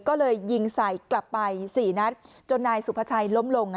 ก็เลยยิงใส่กลับไป๔นัดจนนายสุภาชัยล้มลง